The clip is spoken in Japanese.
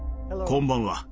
こんばんは。